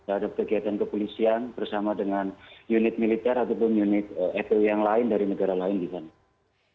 ada kegiatan kepolisian bersama dengan unit militer ataupun unit fpi yang lain dari negara lain di sana